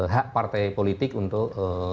hak partai politik untuk